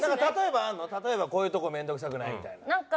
例えばこういうとこ面倒くさくないみたいな。